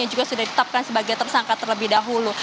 yang juga sudah ditetapkan sebagai tersangka terlebih dahulu